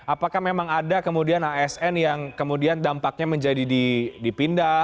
apakah memang ada kemudian asn yang kemudian dampaknya menjadi dipindah